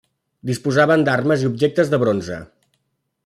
Disposaven d'armes i objectes de bronze.